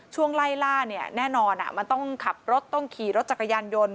ช่วงไล่ล่าเนี่ยแน่นอนมันต้องขับรถต้องขี่รถจักรยานยนต์